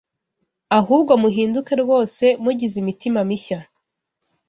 ahubwo muhinduke rwose mugize imitima mishya